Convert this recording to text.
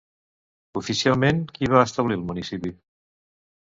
Oficialment, qui va establir el municipi?